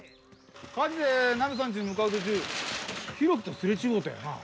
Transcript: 火事でナミさんちに向かう途中浩喜とすれ違うたよな？